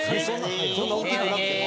そんな大きくなくても？